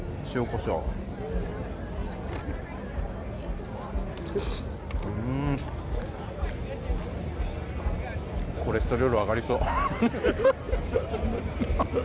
コレステロール上がりそう！